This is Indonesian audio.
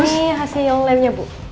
ini hasil labnya bu